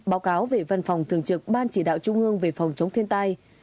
báo cáo về văn phòng thường trực ban chỉ đạo trung ương về phòng chống thiên tai